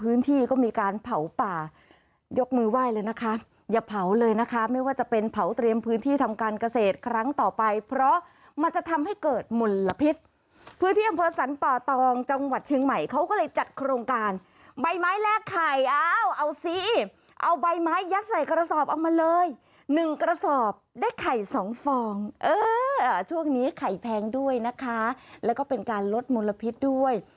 เออช่วงนี้ไข่แพงด้วยนะคะแล้วก็เป็นการลดมลพิษด้วย